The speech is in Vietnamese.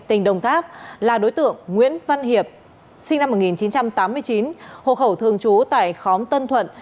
tỉnh đồng tháp là đối tượng nguyễn văn hiệp sinh năm một nghìn chín trăm tám mươi chín hộ khẩu thường trú tại khóm tân thuận